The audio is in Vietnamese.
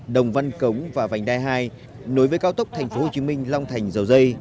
đồng văn cống vành đai hai nối với cao tốc tp hcm long thành dầu dây